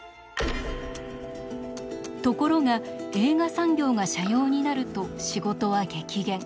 ところが映画産業が斜陽になると仕事は激減。